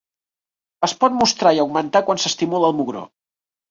Es pot mostrar i augmentar quan s'estimula el mugró.